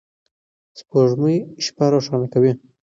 سپوږمۍ شپه روښانه کوي.